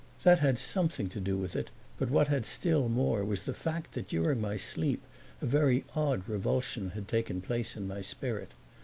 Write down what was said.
That had something to do with it, but what had still more was the fact that during my sleep a very odd revulsion had taken place in my spirit.